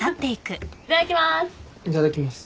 いただきます。